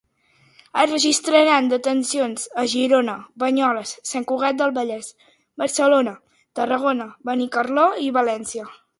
Es registraren detencions a Girona, Banyoles, Sant Cugat del Vallès, Barcelona, Tarragona, Benicarló i València.